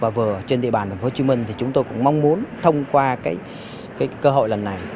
và vừa trên địa bàn thành phố hồ chí minh chúng tôi cũng mong muốn thông qua cơ hội lần này